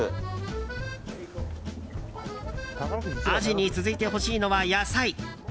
アジに続いてほしいのは、野菜。